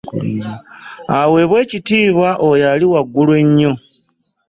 Aweebwe ekitiibwa oyo ali waggulu ennyo.